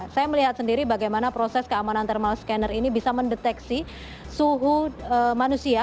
saya melihat sendiri bagaimana proses keamanan thermal scanner ini bisa mendeteksi suhu manusia